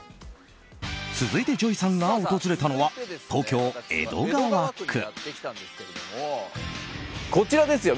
続いてＪＯＹさんが訪れたのは東京・江戸川区。